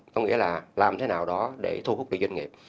có nghĩa là làm thế nào đó để thu hút được doanh nghiệp